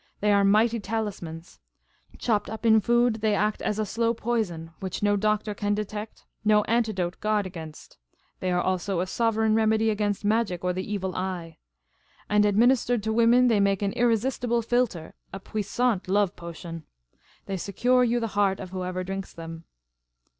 They are mighty talismans. Chopped up in food, they act as a slow poison, which no doctor can detect, no antidote guard against. Tlicy are also a sovereign remedy against magic or the evil eye. And administered to women, they make an irresistible philtre, a puissant love potion. They secure you the heart of whoever drinks them."